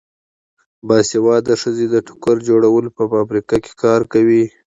باسواده ښځې د ټوکر جوړولو په فابریکو کې کار کوي.